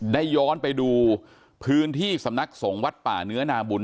ได้ย้อนไปดูพื้นที่สำนักสงฆ์วัดป่าเนื้อนาบุญ